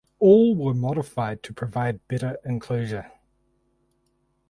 All were modified to provide better enclosure.